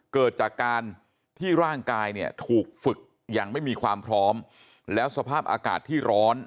เกิดจากการที่ร่างกายเนี่ยถูกฝึกอย่างไม่มีความพร้อมแล้วสภาพอากาศที่ร้อน